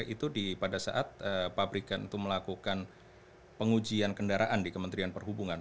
itu pada saat pabrikan itu melakukan pengujian kendaraan di kementerian perhubungan